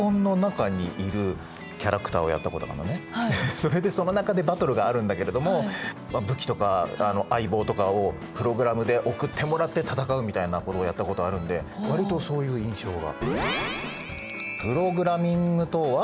それでその中でバトルがあるんだけれども武器とか相棒とかをプログラムで送ってもらって戦うみたいなことをやったことあるんで割とそういう印象が。